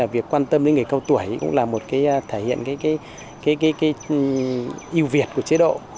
việc quan tâm đến người cao tuổi cũng là một thể hiện yêu việt của chế độ